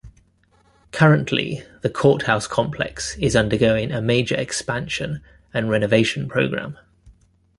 Currently, the Courthouse Complex is undergoing a major expansion and renovation program.